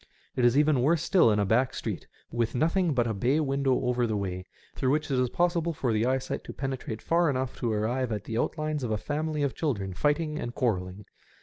It is even worse still in a back street, with nothing but a bay window over the way, through which it is possible for the eyesight to penetrate far enough to arrive at the outlines of a family of children fighting and quarrelling.